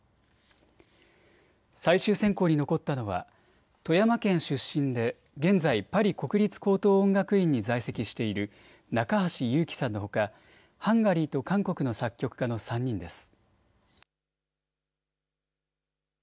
最終選考に残ったのは富山県出身で現在、パリ国立高等音楽院に在籍している中橋祐紀さんのほか、ハンガリーと韓国の作曲家の３人です。